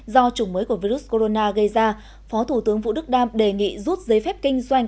do chủng mới của virus corona gây ra phó thủ tướng vũ đức đam đề nghị rút giấy phép kinh doanh